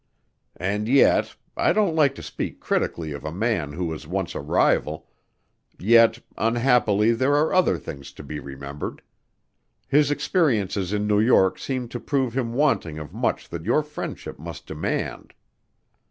"And yet I don't like to speak critically of a man who was once a rival yet unhappily there are other things to be remembered. His experiences in New York seemed to prove him wanting of much that your friendship must demand."